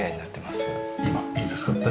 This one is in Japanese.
今いいですか？